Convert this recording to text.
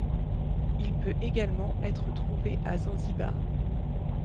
Il peut également être trouvé à Zanzibar.